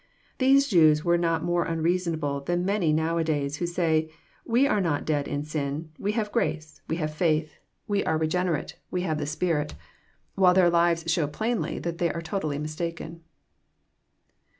These Jews were not more unreasonable than many now a days, who say, '< We are not dead in sin,— we have grace, we have faith, 1 106 EXPOSITOBr THOUOHTB. we are regenerate, we hare the Spirit," while their lives show plainly that they are totally mistaken.